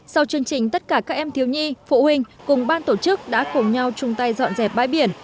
sau chương trình tất cả các em thiếu nhi phụ huynh cùng ban tổ chức đã cùng nhau chung tay dọn dẹp bãi biển